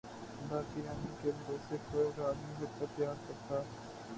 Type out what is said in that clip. خدا کی رحمت کے بھروسے پر آدمی حق کو اختیار کرتا